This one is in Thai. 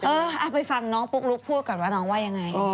เอาไปฟังน้องปุ๊กลุ๊กพูดก่อนว่าน้องว่ายังไง